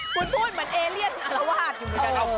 คุณพูดเหมือนเอเลียนอารวาสอยู่บ้าง